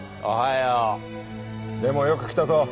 でもよく来たぞ。